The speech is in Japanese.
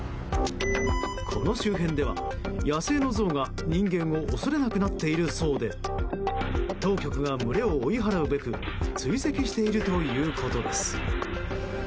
この周辺では野生のゾウが人間を恐れなくなっているそうで当局が、群れを追い払うべく追跡しているということです。